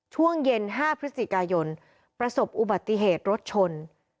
ช่วงเย็น๕พฤศจิกายนประสบอุบัติเหตุรถชน